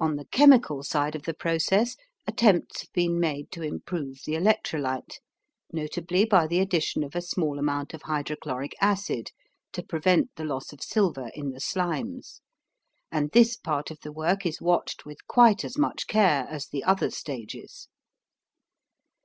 On the chemical side of the process attempts have been made to improve the electrolyte, notably by the addition of a small amount of hydrochloric acid to prevent the loss of silver in the slimes, and this part of the work is watched with quite as much care as the other stages.